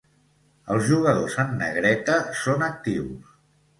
Els jugadors en negreta són actius.